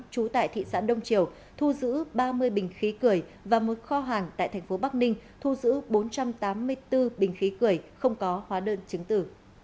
trú tại thị xã đông triều thu giữ ba mươi bình khí cười và một kho hàng tại thành phố bắc ninh thu giữ bốn trăm tám mươi bốn bình khí cười không có hóa đơn chứng tử